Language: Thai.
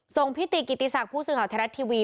ส่งพิติกิติศักดิ์ผู้สึงหาวธนรัฐทีวี